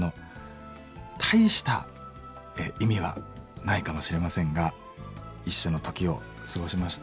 大した意味はないかもしれませんが一緒の時を過ごしました